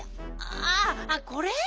ああこれ？